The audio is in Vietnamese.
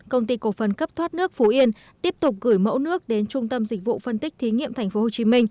công ty cổ phần cấp thoát nước phú yên tiếp tục gửi mẫu nước đến trung tâm dịch vụ phân tích thí nghiệm tp hcm